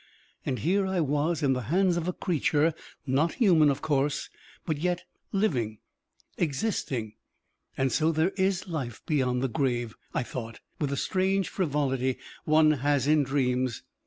And here I was in the hands of a creature not human, of course, but yet living, existing. "And so there is life beyond the grave," I thought with the strange frivolity one has in dreams.